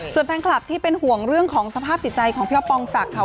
ส่วนแฟนคลับที่เป็นห่วงเรื่องของสภาพจิตใจของพี่อ๊อปปองศักดิ์ค่ะ